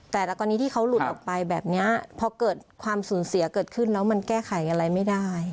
แต่ตอนนี้ที่เขาหลุดออกไปแบบนี้พอเกิดความสูญเสียเกิดขึ้นแล้วมันแก้ไขอะไรไม่ได้